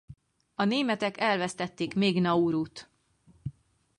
A németek elvesztették még Naurut.